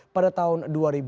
pada tahun dua ribu dua